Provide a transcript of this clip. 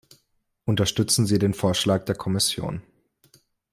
Unterstützen Sie den Vorschlag der Kommission.